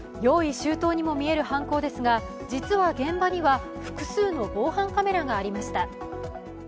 周到にも見える犯行ですが実は現場には、複数の防犯カメラがありました。